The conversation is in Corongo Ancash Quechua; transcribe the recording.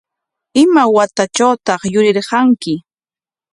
¿Ima watatrawtaq yurirqanki?